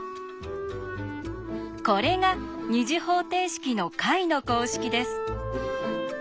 これが２次方程式の解の公式です。